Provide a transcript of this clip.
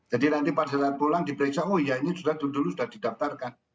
jadi nanti pada saat pulang diperiksa oh iya ini dulu sudah didaftarkan